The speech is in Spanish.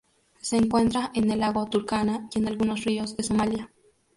Se encuentra en el lago Turkana y en algunos ríos de Somalia.